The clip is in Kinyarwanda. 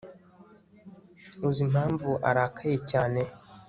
uzi impamvu arakaye cyane